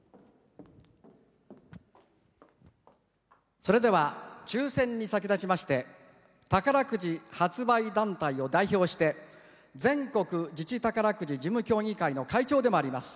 それでは抽せんに先立ちまして宝くじ発売団体を代表して全国自治宝くじ事務協議会の会長でもあります